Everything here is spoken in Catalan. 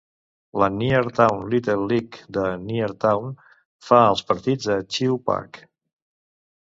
La Neartown Little Leage de Neartown fa els partits a Chew Park.